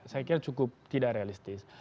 saya kira cukup tidak realistis